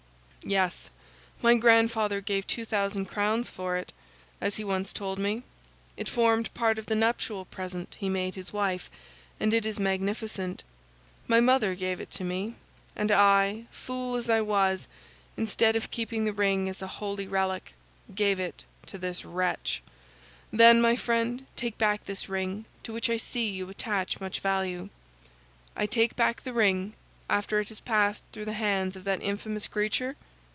"Yes, my grandfather gave two thousand crowns for it, as he once told me. It formed part of the nuptial present he made his wife, and it is magnificent. My mother gave it to me, and I, fool as I was, instead of keeping the ring as a holy relic, gave it to this wretch." "Then, my friend, take back this ring, to which I see you attach much value." "I take back the ring, after it has passed through the hands of that infamous creature?